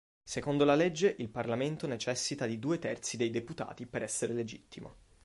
Secondo la legge, il Parlamento necessita di due terzi dei deputati per essere legittimo.